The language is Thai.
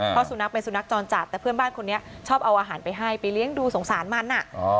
เพราะสุนัขเป็นสุนัขจรจัดแต่เพื่อนบ้านคนนี้ชอบเอาอาหารไปให้ไปเลี้ยงดูสงสารมัน